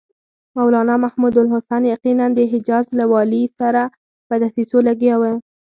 مولنا محمودالحسن یقیناً د حجاز له والي سره په دسیسو لګیا و.